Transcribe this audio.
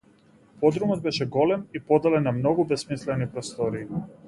Подрумот беше голем и поделен на многу бесмислени простории.